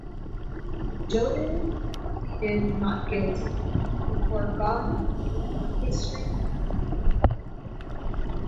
Jodl pleaded not guilty "before God, before history and my people".